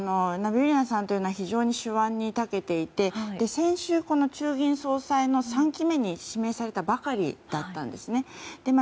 ナビウリナさんというのは非常に手腕にたけていて先週、中銀総裁の３期目に指名されたばかりだったんですね。